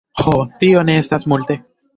Ho, tio ne estas multe.